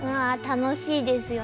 楽しいですよね。